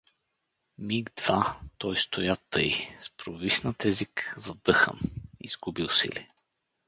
Миг-два той стоя тъй, с провиснат език, задъхан, изгубил сили.